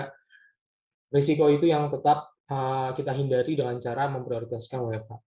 karena risiko itu yang tetap kita hindari dengan cara memprioritaskan wfh